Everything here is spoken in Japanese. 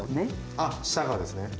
あっ下がですね。